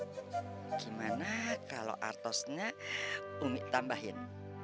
bagaimana kalau atosnya umi tambahkan